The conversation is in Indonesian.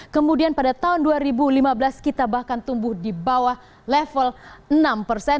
kemudian pada tahun dua ribu lima belas kita bahkan tumbuh di bawah level enam persen